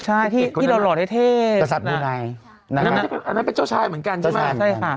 ใช่ที่หล่อหล่อให้เท่ประสับดุในอันนั้นเป็นเจ้าชายเหมือนกันใช่ไหมใช่ค่ะ